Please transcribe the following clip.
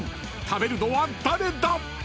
［食べるのは誰だ？］